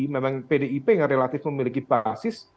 memang pdip yang relatif memiliki basis